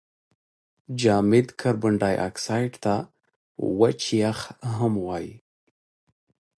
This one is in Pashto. جامد کاربن دای اکساید ته وچ یخ هم وايي.